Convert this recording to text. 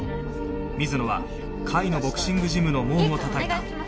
水野は甲斐のボクシングジムの門をたたいた